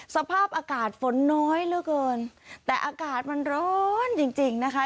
สภาพอากาศฝนน้อยเหลือเกินแต่อากาศมันร้อนจริงจริงนะคะ